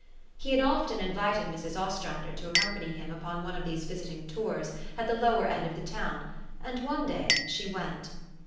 He had often invited Mrs. Ostrander to accom pany him upon one of these visiting tours at the lower end of the town, and one day she went.